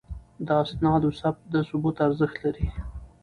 د اسنادو ثبت د ثبوت ارزښت لري.